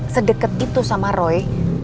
sedeket itu sama roy